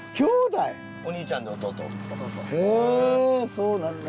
そうなんだ。